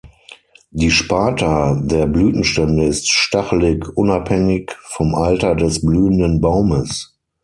Die Spatha der Blütenstände ist stachelig, unabhängig vom Alter des blühenden Baumes.